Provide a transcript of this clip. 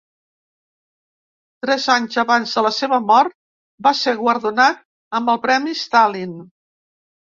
Tres anys abans de la seva mort, va ser guardonat amb el Premi Stalin.